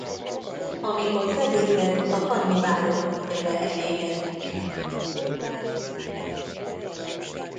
Amikor felébred a kannibálok élve elégetik.